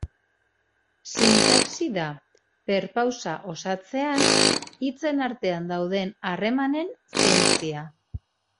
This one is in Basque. Sintaxi da, perpausa osatzean, hitzen artean dauden harremanen zientzia.